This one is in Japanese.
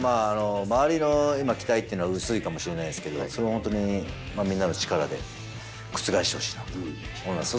周りの期待っていうのは薄いかもしれないですけどそれをみんなの力で覆してほしいなと思います。